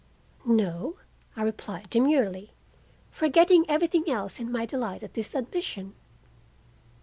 "No," I replied demurely, forgetting everything else in my delight at this admission.